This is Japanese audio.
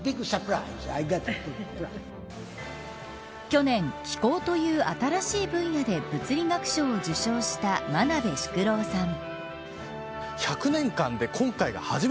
去年、気候という新しい分野で物理学賞を受賞した真鍋淑郎さん。